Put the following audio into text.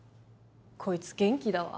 こいつ元気だわ。